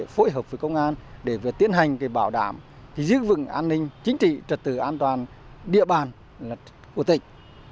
phối hợp với công an để tiến hành bảo đảm giữ vững an ninh chính trị trật tự an toàn địa bàn của tỉnh